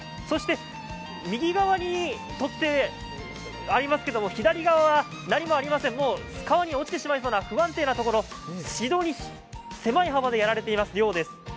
そして右側に取っ手がありますけど、左側は何もありません、もう川に落ちてしまいそうな不安定なところ、非常に狭い幅でやられている漁です。